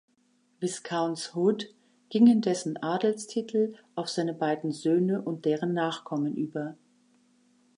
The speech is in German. Viscounts Hood, gingen dessen Adelstitel auf seine beiden Söhne und deren Nachkommen über.